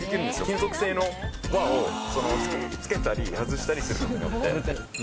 金属製の輪をつけたり外したりすることによって。